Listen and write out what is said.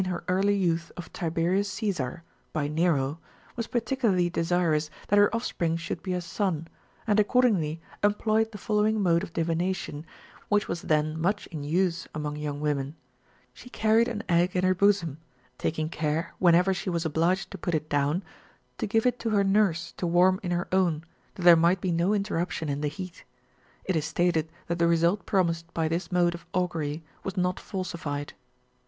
her early youth of Tiberius Caesar, by ifTero, was particularly desirous that her offspring should be a son, and accordingly employed the following mode of divination, which was then much in use among young women : she carried an egg in her bosom, taking care, whenever she was obliged to put it down, to give it to her nurse to warm in her own, that there might be no interruption in the heat : it is stated that the result pro mised by this mode of augury was not falsified.